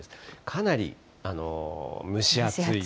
かなり蒸し暑い。